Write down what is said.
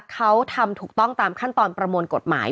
เขาทำถูกต้องตามขั้นตอนประมวลกฎหมาย